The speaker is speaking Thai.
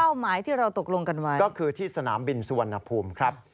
หมายที่เราตกลงกันไว้ก็คือที่สนามบินสุวรรณภูมิครับ